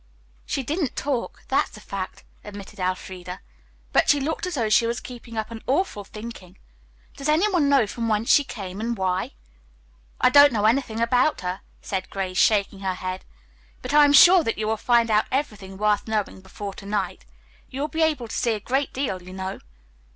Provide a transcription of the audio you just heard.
'" "She didn't talk, that's a fact," admitted Elfreda, "but she looked as though she was keeping up an awful thinking. Does any one know from whence she came, and why?" "I don't know anything about her," said Grace, shaking her head, "but I am sure that you will find out everything worth knowing before night. You will be able to see a great deal, you know."